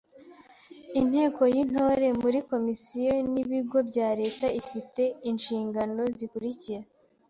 Inteko y’Intore muri komisiyo n’ibigo bya Leta ifi te inshingano zikurikira